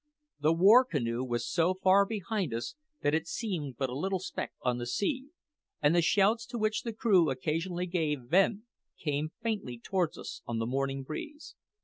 The war canoe was so far behind us that it seemed but a little speck on the sea, and the shouts to which the crew occasionally gave vent came faintly towards us on the morning breeze.